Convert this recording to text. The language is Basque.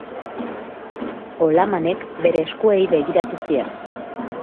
Olhamek bere eskuei begiratu zien.